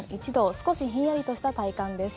少しひんやりとした体感です。